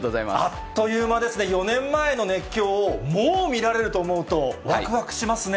あっという間ですね、４年前の熱狂を、もう見られると思うと、わくわくしますね。